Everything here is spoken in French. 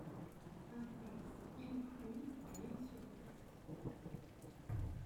Impasse Ille Fruits à Ille-sur-Têt